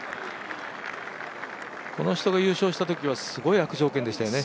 この人が優勝したときはすごい悪条件でしたよね。